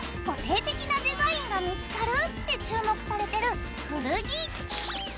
個性的なデザインが見つかるって注目されてる古着。